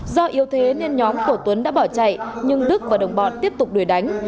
do yếu thế nên nhóm của tuấn đã bỏ chạy nhưng đức và đồng bọn tiếp tục đuổi đánh